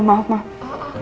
pengen yacht hari ini